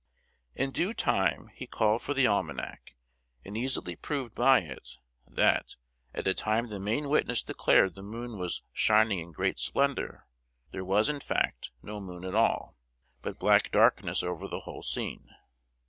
In due time he called for the almanac, and easily proved by it, that, at the time the main witness declared the moon was shining in great splendor, there was, in fact, no moon at all, but black darkness over the whole scene.